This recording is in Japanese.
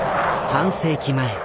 半世紀前。